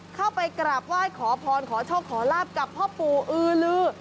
เข้าไปกราบไหว้ขอพรขอโชคขอลาบกับพ่อปู่อือลือ